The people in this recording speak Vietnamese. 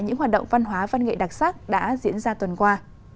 những hoạt động văn hóa văn nghệ đặc sắc đã diễn ra tuần qua